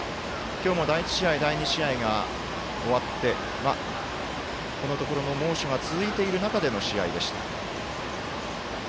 今日も第１試合第２試合が終わってこのところの猛暑が続いている中での試合でした。